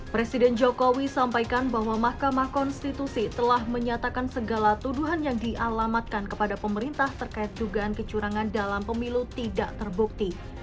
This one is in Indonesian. presiden jokowi sampaikan bahwa mahkamah konstitusi telah menyatakan segala tuduhan yang dialamatkan kepada pemerintah terkait dugaan kecurangan dalam pemilu tidak terbukti